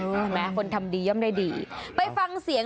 เห็นไหมคนทำดีย่อมได้ดีไปฟังเสียง